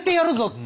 って。